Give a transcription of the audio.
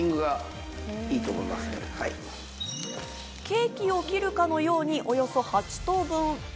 ケーキを切るかのようにおよそ８等分。